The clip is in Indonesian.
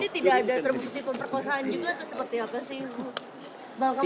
perkosaan juga seperti apa sih